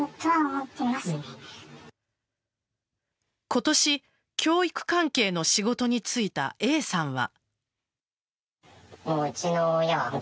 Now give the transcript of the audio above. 今年教育関係の仕事に就いたＡさんは。